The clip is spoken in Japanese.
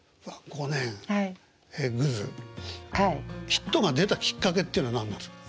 ヒットが出たきっかけはっていうのは何なんですか？